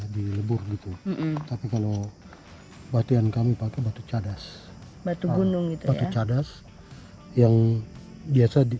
di lebur gitu tapi kalau batian kami pakai batu cadas batu gunung gitu ya batu cadas yang biasa